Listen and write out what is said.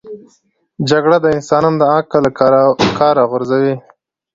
جګړه د انسان عقل له کاره غورځوي